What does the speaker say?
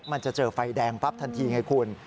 มันจะเจอไฟแดงปั๊บทันทีไงคุณ